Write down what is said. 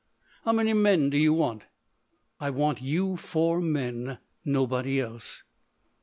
How many men do you want?" "I want you four men,—nobody else."